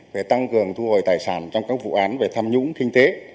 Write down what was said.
về tăng cường thu hồi tài sản trong các vụ án về tham nhũng kinh tế